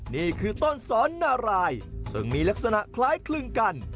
นี่คือต้นสอนนารายซึ่งมีลักษณะคล้ายคลึงกัน